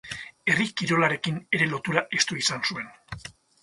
Herri kirolarekin ere lotura estua izan zuen.